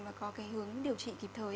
và có cái hướng điều trị kịp thời ạ